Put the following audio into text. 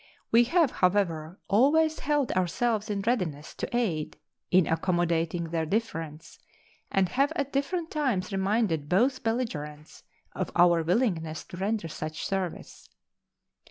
We have, however, always held ourselves in readiness to aid in accommodating their difference, and have at different times reminded both belligerents of our willingness to render such service.